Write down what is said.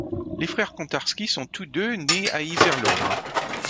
Le frères Kontarsky sont tous deux nés à Iserlohn.